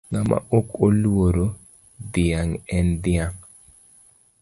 Ng'ama ok oluoro dhiang' en dhiang'.